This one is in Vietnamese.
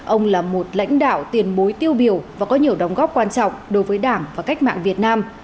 ông là một lãnh đạo tiền bối tiêu biểu và có nhiều đóng góp quan trọng đối với đảng và cách mạng việt nam